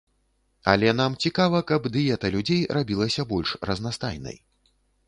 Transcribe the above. Але нам цікава, каб дыета людзей рабілася больш разнастайнай.